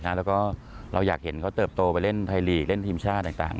แล้วก็เราอยากเห็นเขาเติบโตไปเล่นไทยลีกเล่นทีมชาติต่าง